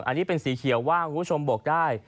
อันนี้เป็นสีเขียวว่างคุณผู้ชมบอกได้